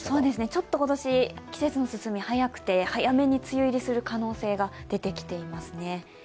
ちょっと今年季節の進みが早くて早めに梅雨入りする可能性が出てきていますね。